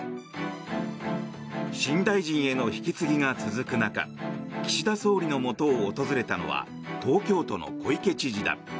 新大臣への引き継ぎが続く中岸田総理のもとを訪れたのは東京都の小池知事だ。